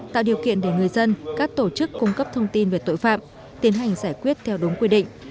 tạo điều kiện để người dân các tổ chức cung cấp thông tin về tội phạm tiến hành giải quyết theo đúng quy định